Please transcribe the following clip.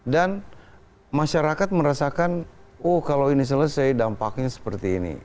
dan masyarakat merasakan oh kalau ini selesai dampaknya seperti ini